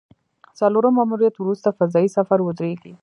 څلورم ماموریت وروسته فضايي سفر ودرېږي